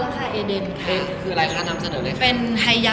คลอดแล้วค่ะเอเดนค่ะ